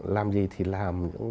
làm gì thì làm